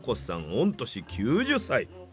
御年９０歳！